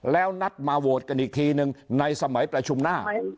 แล้วนัดมาโหวตกันอีกทีหนึ่งในสมัยประชุมหน้า